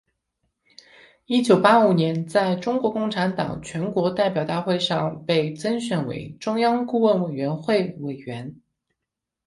一九八五年在中国共产党全国代表大会上被增选为中央顾问委员会委员。